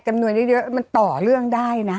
กำหนดได้เยอะมันต่อเรื่องได้นะ